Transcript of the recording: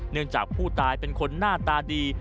เนื่องจากผู้ตายเป็นคนหน้าตาดี